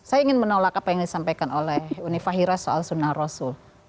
saya ingin menolak apa yang disampaikan oleh uni fahira soal sunnah rasul